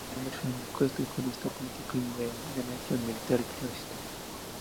Era hermano de Raimundo Fernández-Cuesta —jurista y político— y de Nemesio —militar y periodista—.